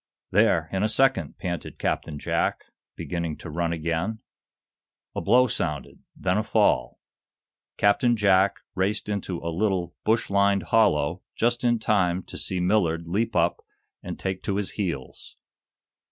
"There, in a second!" panted Captain Jack, beginning to run again. A blow sounded, then a fall. Captain Jack raced into a little, bush lined hollow, just in time to see Millard leap up and take to his heels.